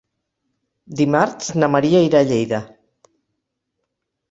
Dimarts na Maria irà a Lleida.